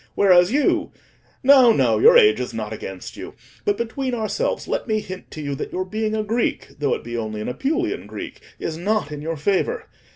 Whereas you—no, no, your age is not against you; but between ourselves, let me hint to you that your being a Greek, though it be only an Apulian Greek, is not in your favour.